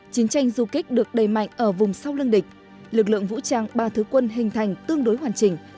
chiến tranh du kích được đầy mạnh ở vùng sau lưng địch lực lượng vũ trang ba thứ quân hình thành tương đối hoàn chỉnh